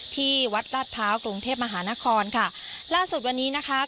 ที่วัดลาดพร้าวกรุงเทพมหานครค่ะล่าสุดวันนี้นะคะ